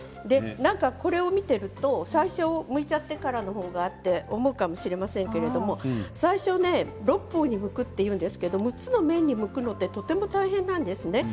これを見ていると最初むいちゃってからのほうがと思うかもしれませんけれども最初、６方にむくというんですが６つの面にむくのでとても大変なんですね。